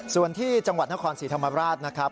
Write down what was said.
ส่วนที่จังหวัดนครศรีธรรมราชนะครับ